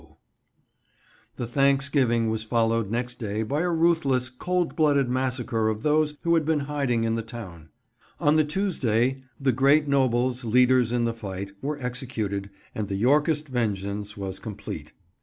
[Picture: The "Bear" Inn and Bridge, Tewkesbury] The thanksgiving was followed next day by a ruthless, cold blooded massacre of those who had been hiding in the town. On the Tuesday the great nobles, leaders in the fight, were executed, and the Yorkist vengeance was complete.